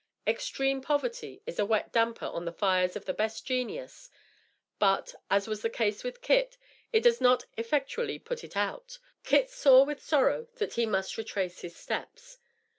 Extreme poverty is a wet damper on the fires of the best genius; but, as was the case with Kit, it does not effectually put it out. Kit saw with sorrow that he must retrace his steps.